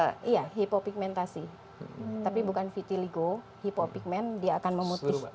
iya hipopigmentasi tapi bukan vitiligo hipopigment dia akan memutih